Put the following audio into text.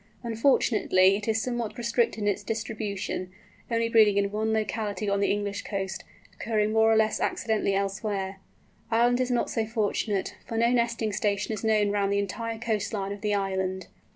Unfortunately it is somewhat restricted in its distribution, only breeding in one locality on the English coast, occurring more or less accidentally elsewhere. Ireland is not even so fortunate, for no nesting station is known round the entire coastline of the island.